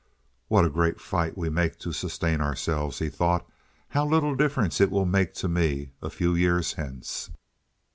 "What a great fight we make to sustain ourselves!" he thought. "How little difference it will make to me a few years hence!"